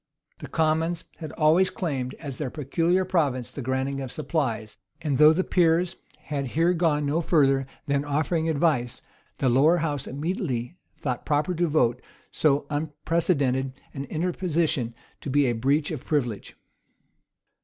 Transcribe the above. The commons had always claimed, as their peculiar province the granting of supplies; and, though the peers had here gone no further than offering advice, the lower house immediately thought proper to vote so unprecedented an interposition to be a breach of privilege.